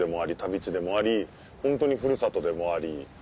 地でもありホントにふるさとでもあり。